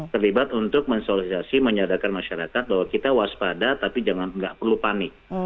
terlibat untuk mensolidasi menyadarkan masyarakat bahwa kita waspada tapi jangan nggak perlu panik